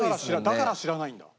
だから知らないんだ。